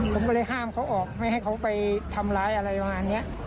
ผมก็เลยห้ามเขาออกไม่ให้เขาไปทำร้ายอะไรประมาณนี้